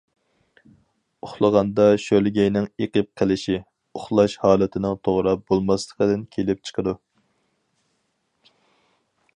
ئۇخلىغاندا شۆلگەينىڭ ئېقىپ قېلىشى، ئۇخلاش ھالىتىنىڭ توغرا بولماسلىقىدىن كېلىپ چىقىدۇ.